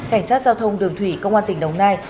cảnh sát giao thông đường thủy công an tỉnh đồng nai